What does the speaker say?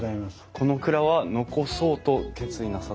この蔵は残そうと決意なさってたんですか？